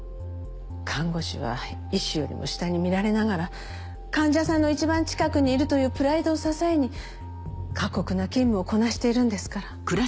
看護師は医師よりも下に見られながら患者さんのいちばん近くにいるというプライドを支えに過酷な勤務をこなしているんですから。